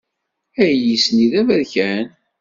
Ayis-nni d aberkan?